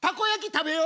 食べよう。